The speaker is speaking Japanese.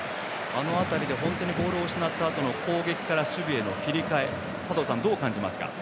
あの辺りでボールを失ったあとの攻撃から守備への切り替え佐藤さん、どう感じますか？